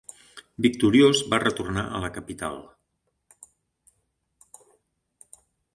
Victoriós va retornar a la capital.